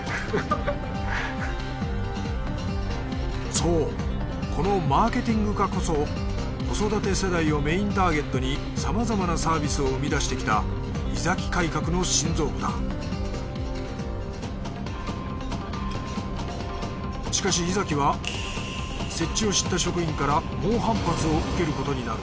そうこのマーケティング課こそ子育て世代をメインターゲットにさまざまなサービスを生み出してきた井崎改革の心臓部だしかし井崎は設置を知った職員から猛反発を受けることになる